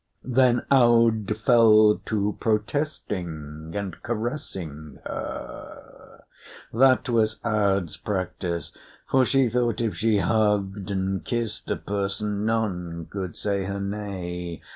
Then Aud fell to protesting and caressing her. That was Aud's practice; for she thought if she hugged and kissed a person none could say her nay.